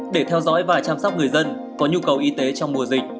để theo dõi và chăm sóc người dân có nhu cầu y tế trong mùa dịch